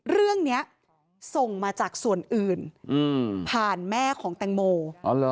เรื่องเนี้ยส่งมาจากส่วนอื่นอืมผ่านแม่ของตังโมอ๋อเหรอ